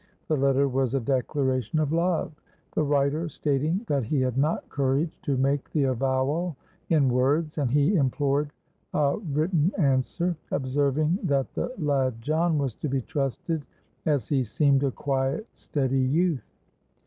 The letter was a declaration of love, the writer stating that he had not courage to make the avowal in words; and he implored a written answer, observing that the lad John was to be trusted, as he seemed a quiet steady youth.